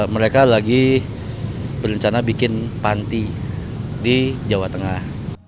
mereka lagi berencana bikin panti di jawa tengah